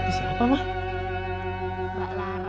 jerry walaikum salam